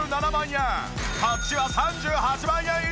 こっちは３８万円以上。